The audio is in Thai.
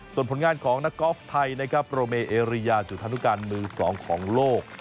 ส่วนผลงานของนักกอล์ฟไทยนะครับโปรเมเอเรียจุธานุการมือสองของโลก